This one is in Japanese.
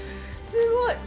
すごい。